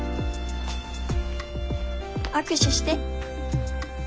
握手して。